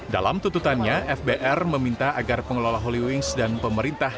dalam tututannya fbr meminta agar pengelola holy wings dan pemerintah